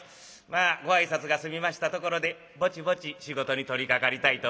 まあご挨拶が済みましたところでぼちぼち仕事に取りかかりたいと思いますが。